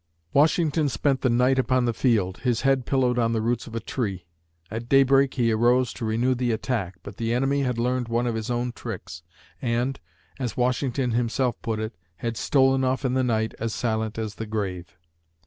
Washington spent the night upon the field, his head pillowed on the roots of a tree. At daybreak he arose to renew the attack, but the enemy had learned one of his own tricks and, as Washington himself put it, "had stolen off in the night as silent as the grave."